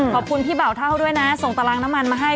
ขอบคุณพี่เบาเท่าด้วยนะส่งตารางน้ำมันมาให้